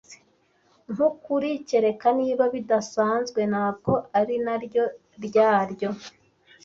Nkukuri, kereka niba bidasanzwe? Ntabwo ari naryo ryaryo